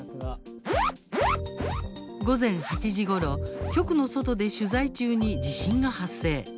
午前８時ごろ、局の外で取材中に地震が発生。